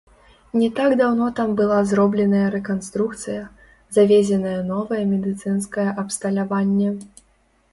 Не так даўно там была зробленая рэканструкцыя, завезенае новае медыцынскае абсталяванне.